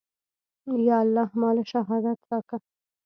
يا الله ما له شهادت راکه.